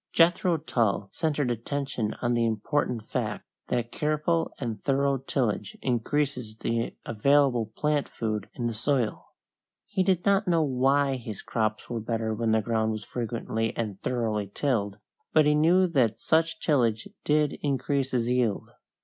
Jethro Tull centered attention on the important fact that careful and thorough tillage increases the available plant food in the soil. He did not know why his crops were better when the ground was frequently and thoroughly tilled, but he knew that such tillage did increase his yield.